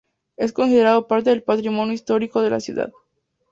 Es considerado parte del patrimonio histórico de la ciudad.